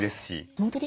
本当に？